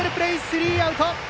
スリーアウト！